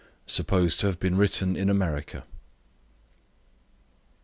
Supposed to have been written in America.